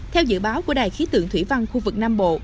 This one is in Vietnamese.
theo dự báo của đài khí tượng thủy văn khu vực nam bộ